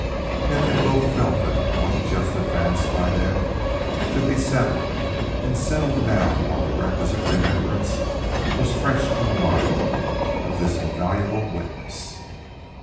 Yet they both felt that the point just advanced by them should be settled and settled now while the requisite remembrance was fresh in the mind of this invaluable witness.